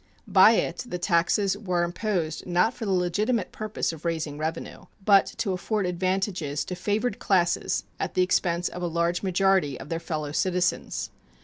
By it the taxes were imposed not for the legitimate purpose of raising revenue, but to afford advantages to favored classes at the expense of a large majority of their fellow citizens.